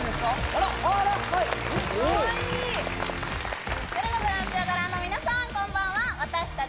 「よるのブランチ」をご覧の皆さんこんばんは私たち